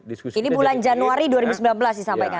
ini bulan januari dua ribu sembilan belas disampaikan